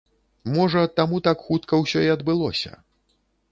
Можа, таму так хутка ўсё і адбылося.